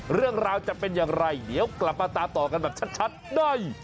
เรื่องราวจะเป็นอย่างไรเดี๋ยวกลับมาตามต่อกันแบบชัดได้